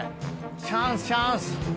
チャンス、チャンス！